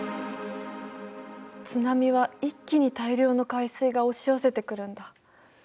津波は一気に大量の海水が押し寄せてくるんだ。